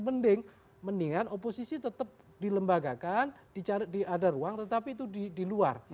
mendingan oposisi tetap dilembagakan dicari di ada ruang tetapi itu di luar